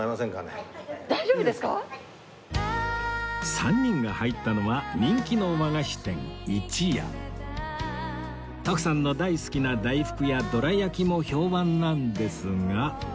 ３人が入ったのは人気の和菓子店徳さんの大好きな大福やどら焼きも評判なんですが